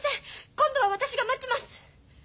今度は私が待ちます。